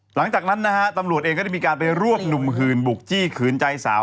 หลังจากนั้นนะฮะตำรวจเองก็ได้มีการไปรวบหนุ่มหื่นบุกจี้ขืนใจสาว